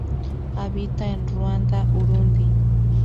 Habita en Ruanda-Urundi.